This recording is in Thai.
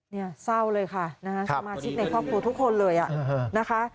เนี่ยเศร้าเลยค่ะนะคะสมาชิกในครอบครัวทุกคนเลยนะคะ